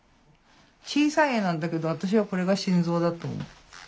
小さい絵なんだけど私はこれが心臓だと思う。